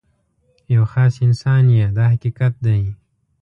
یو خاص انسان یې دا حقیقت دی.